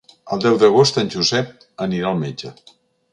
El deu d'agost en Josep anirà al metge.